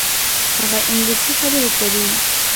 هغه انګلیسي خبرې کوي.